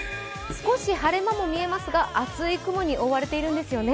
少し晴れ間も見えますが厚い雲に覆われているんですね。